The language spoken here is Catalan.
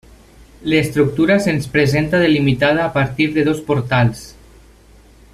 L'estructura se'ns presenta delimitada a partir de dos portals.